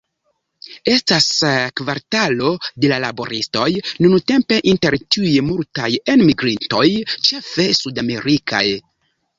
Estas kvartalo de laboristoj, nuntempe inter tiuj multaj enmigrintoj, ĉefe sudamerikaj.